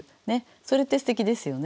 それってすてきですよね。